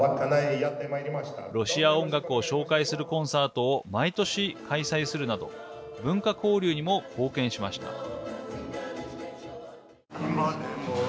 ロシア音楽を紹介するコンサートを毎年開催するなど文化交流にも貢献しました。